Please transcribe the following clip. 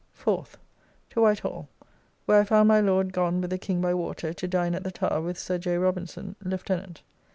4th. To White Hall, where I found my Lord gone with the King by water to dine at the Tower with Sir J. Robinson,' Lieutenant.